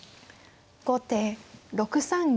後手６三銀。